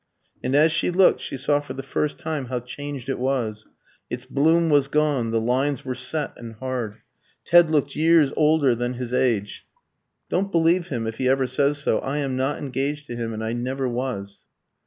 And as she looked, she saw for the first time how changed it was. Its bloom was gone, the lines were set and hard: Ted looked years older than his age. "Don't believe him if he ever says so. I am not engaged to him, and I never was."